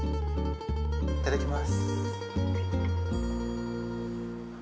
いただきます。